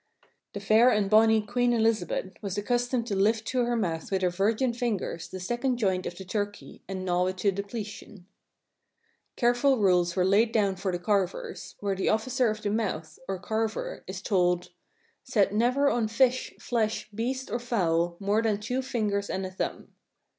The fair and bonny Queen Elizabeth was accus tomed to lift to her mouth with her virgin fingers the second joint of the turkey and gnaw it to depletion. Careful rules were laid down for the carvers, where the Officer of the Mouth, or carver, is told: "Set never on fish, flesh, beast, or fowl more than two fingers and a thumb."